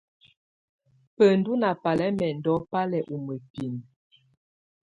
Bǝndù ná balɛmɛndɔ́ bá lɛ́ u mǝ́binǝ.